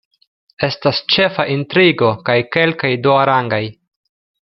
Estas ĉefa intrigo kaj kelkaj duarangaj.